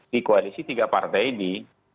di koalisi tiga partai di